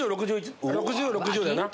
６０６０だな。